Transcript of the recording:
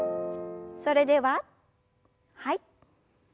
それでははい。